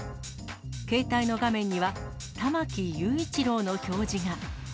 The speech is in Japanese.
携帯の画面には玉木雄一郎の表示が。